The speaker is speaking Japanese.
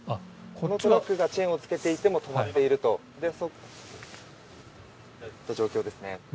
このトラックがチェーンをつけていても止まっているという状況です。